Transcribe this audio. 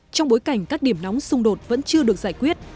trong bối cảnh các điểm nóng xung đột vẫn chưa được giải quyết